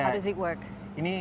bagaimana ini berfungsi